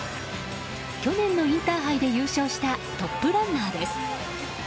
去年のインターハイで優勝したトップランナーです。